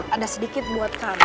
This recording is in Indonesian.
ada sedikit buat kamu